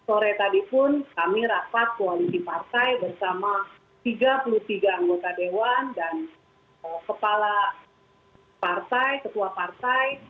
sore tadi pun kami rapat koalisi partai bersama tiga puluh tiga anggota dewan dan kepala partai ketua partai